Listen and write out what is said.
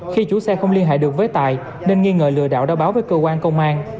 khi chủ xe không liên hệ được với tài nên nghi ngờ lừa đảo đã báo với cơ quan công an